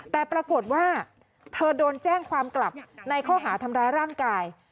แต่ปรากฏว่าเธอโดนแจ้งความกลับในข้อหาทำร้ายร่างกาย